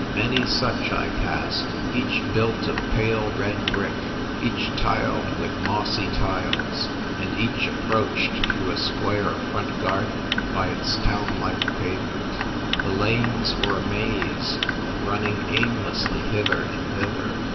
Many such I passed, each built of pale red brick, each tiled with mossy tiles, and each approached through a square of front garden by its town like pave ment. The lanes were a maze, running aim lessly hither and thither.